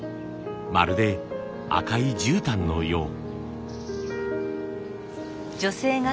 まるで赤いじゅうたんのよう。